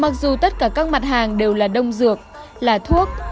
mặc dù tất cả các mặt hàng đều là đông dược là thuốc